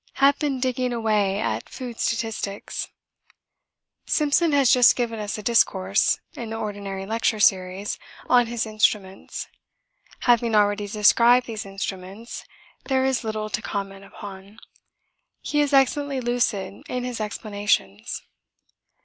Have been digging away at food statistics. Simpson has just given us a discourse, in the ordinary lecture series, on his instruments. Having already described these instruments, there is little to comment upon; he is excellently lucid in his explanations.